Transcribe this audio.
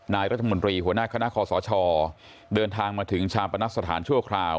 นายรัฐมนตรีหัวหน้าคณะคอสชเดินทางมาถึงชาปนักสถานชั่วคราว